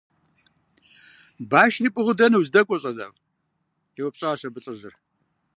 – Башри пӀыгъыу дэнэ уздэкӀуэр, щӀалэфӀ? – еупщӀащ абы лӀыжьыр.